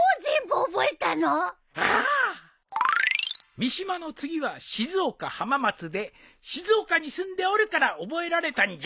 三島の次は静岡浜松で静岡に住んでおるから覚えられたんじゃ。